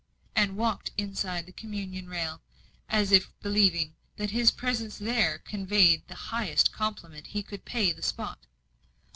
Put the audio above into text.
and walked inside the communion rail, as if believing that his presence there conveyed the highest compliment he could pay the spot.